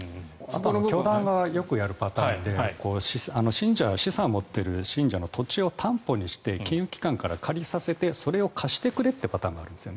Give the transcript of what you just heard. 教団がよくやるパターンで資産を持っている信者の土地を担保にして金融機関に借りさせてそれを貸してくれというパターンがあるんです。